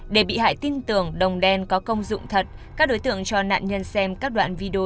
để bị hại tin tưởng đồng đen có công dụng thật các đối tượng cho nạn nhân xem các đoạn video